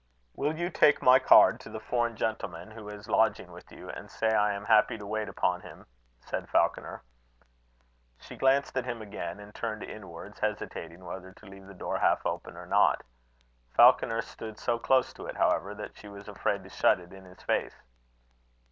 "Will you take my card to the foreign gentleman who is lodging with you, and say I am happy to wait upon him?" said Falconer. She glanced at him again, and turned inwards, hesitating whether to leave the door half open or not. Falconer stood so close to it, however, that she was afraid to shut it in his face.